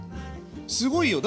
すごいよ。